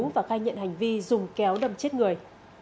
và khai nhận hành vi dùng kéo đâm chết người